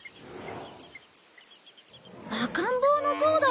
赤ん坊のゾウだ！